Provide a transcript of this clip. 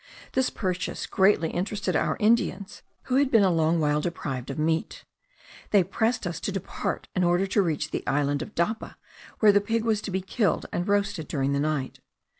This purchase greatly interested our Indians, who had been a long while deprived of meat. They pressed us to depart, in order to reach the island of Dapa, where the pig was to be killed and roasted during the night.